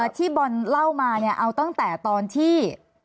ที่บอลเล่ามาเนี่ยเอาตั้งแต่ตอนที่